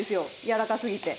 やわらかすぎて。